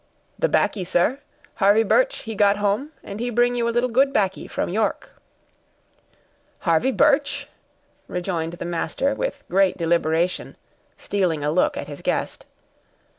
"The 'baccy, sir; Harvey Birch, he got home, and he bring you a little good 'baccy from York." "Harvey Birch!" rejoined the master with great deliberation, stealing a look at his guest.